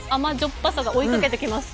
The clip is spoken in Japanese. ぱさが追いかけてきます。